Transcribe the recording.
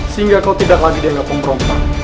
sehingga kau tidak lagi dianggap kompropa